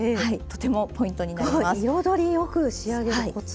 彩りよく仕上げるコツ。